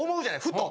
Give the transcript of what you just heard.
ふと。